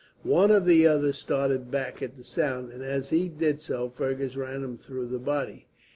One of the others started back at the sound, and as he did so Fergus ran him through the body.